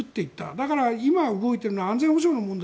だから今動いているのは安全保障の問題